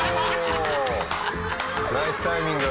ナイスタイミング。